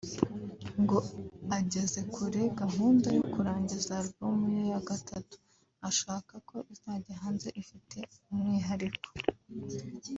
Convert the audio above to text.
ngo ageze kure gahunda yo kurangiza album ya Gatatu ashaka ko izajya hanze ifite umwihariko